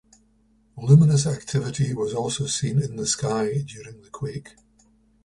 Luminous activity was also seen in the sky during the quake.